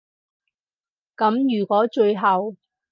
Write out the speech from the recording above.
噉如果最後